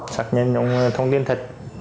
xác nhận những thông tin thật